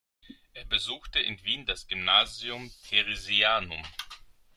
Er besuchte in Wien das Gymnasium „Theresianum“.